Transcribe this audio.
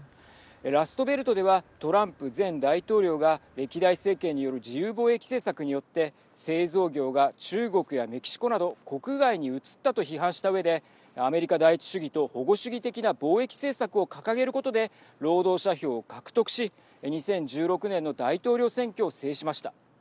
ラストベルトではトランプ前大統領が歴代政権による自由貿易政策によって製造業が中国やメキシコなど国外に移ったと批判したうえでアメリカ第一主義と保護主義的な貿易政策を掲げることで労働者票を獲得し２０１６年の大統領選挙を制しました。